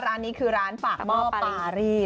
ร้านนี้คือร้านปากหม้อปารี